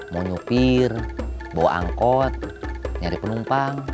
mau nyupir bawa angkot nyari penumpang